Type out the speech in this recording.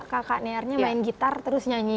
kakak nearnya main gitar terus nyanyi